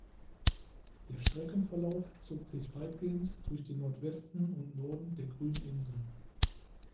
Der Streckenverlauf zog sich weitgehend durch den Nordwesten und Norden der "Grünen Insel".